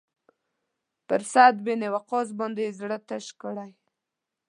پر سعد بن وقاص باندې یې زړه تش کړی.